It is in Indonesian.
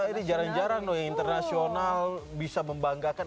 ini jarang jarang dong yang internasional bisa membanggakan